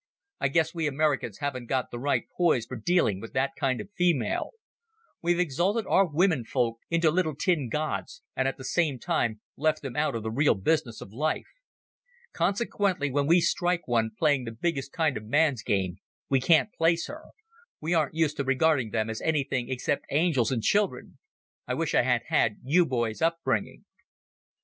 I guess we Americans haven't got the right poise for dealing with that kind of female. We've exalted our womenfolk into little tin gods, and at the same time left them out of the real business of life. Consequently, when we strike one playing the biggest kind of man's game we can't place her. We aren't used to regarding them as anything except angels and children. I wish I had had you boys' upbringing."